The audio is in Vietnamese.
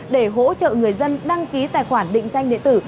để hỗ trợ người dân đăng ký tài khoản định danh điện tử